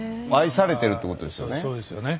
そうですよね。